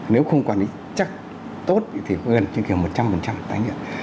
nếu không quản lý chắc tốt thì gần như kiểu một trăm linh tái nghiện